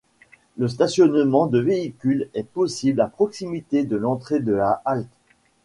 Le stationnement de véhicules est possible à proximité de l'entrée de la halte.